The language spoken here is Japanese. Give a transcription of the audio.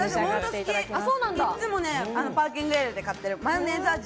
いつもパーキングエリアで買ってる。